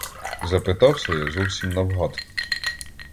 — запитався я, зовсім навгад.